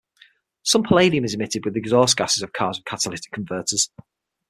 Some palladium is emitted with the exhaust gases of cars with catalytic converters.